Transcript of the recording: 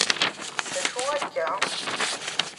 D acu akka?